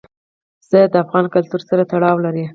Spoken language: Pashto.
پسه د افغان کلتور سره تړاو لري.